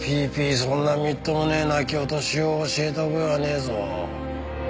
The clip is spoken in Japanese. そんなみっともねえ泣き落としを教えた覚えはねえぞ。